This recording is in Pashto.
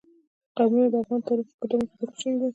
قومونه د افغان تاریخ په کتابونو کې ذکر شوی دي.